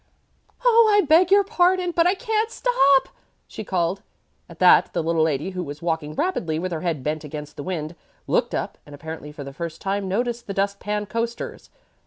"Oh, I beg your pardon, but I can't stop!" she called. At that the little lady, who was walking rapidly with her head bent against the wind, looked up and apparently for the first time noticed the dust pan coasters.